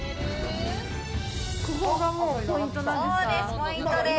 ポイントです。